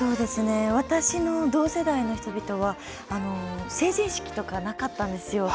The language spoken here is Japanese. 私の同世代の人々は成人式とかなかったんですよ。